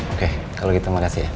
oke kalau gitu makasih ya